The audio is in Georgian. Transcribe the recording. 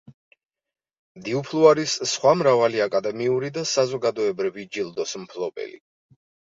დიუფლო არის სხვა მრავალი აკადემიური და საზოგადოებრივი ჯილდოს მფლობელი.